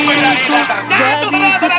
jatuh jatuh jatuh jatuh